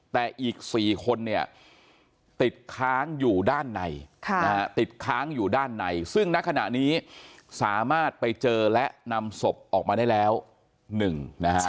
แต่อีก๔คนเนี่ยติดค้างอยู่ด้านในซึ่งในขณะนี้สามารถไปเจอและนำศพออกมาได้แล้วหนึ่ง